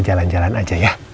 jalan jalan aja ya